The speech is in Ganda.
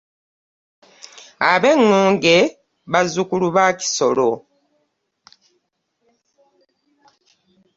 Ab'eŋŋonge bazzukulu ba Kisolo.